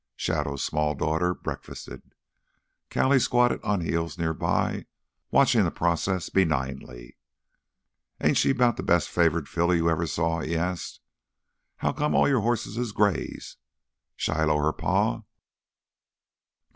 Shadow's small daughter breakfasted. Callie squatted on his heels near by watching the process benignly. "Ain't she 'bout th' best favored filly you ever saw?" he asked. "How come all your hosses is grays? Shiloh her pa?"